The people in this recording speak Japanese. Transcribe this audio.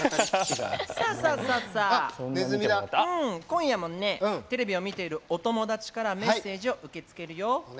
今夜もテレビを見ているお友達からメッセージを受け付けるよ。